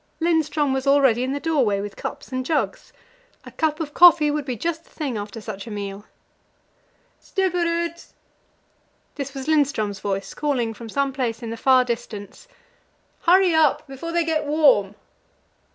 Lindström was already in the doorway with cups and jugs. A cup of coffee would be just the thing after such a meal. "Stubberud!" this was Lindström's voice, calling from some place in the far distance "hurry up, before they get warm!"